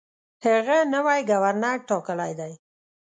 هغه نوی ګورنر ټاکلی دی.